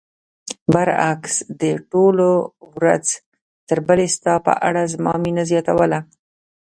برعکس دې ټولو ورځ تر بلې ستا په اړه زما مینه زیاتوله.